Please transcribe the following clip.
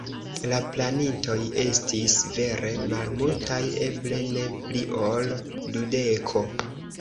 La planintoj estis vere malmultaj, eble ne pli ol dudeko.